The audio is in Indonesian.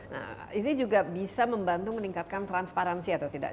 nah ini juga bisa membantu meningkatkan transparansi atau tidak